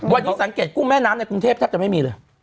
วันนี้สังเกตกุ้งแม่น้ำในกรุงเทพแทบจะไม่มีเลย